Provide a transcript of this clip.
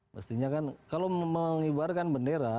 mestinya kan kalau mengibarkan bendera